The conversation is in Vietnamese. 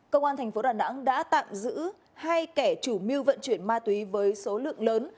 công an thành phố đà nẵng đã tạm giữ hai kẻ chủ mưu vận chuyển ma túy với số lượng lớn